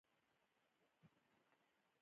رومیان د پسرلي میوه ده